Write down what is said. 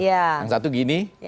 yang satu gini